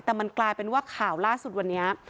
แต่มันกลายเป็นว่าข่าวล่าสุดวันนี้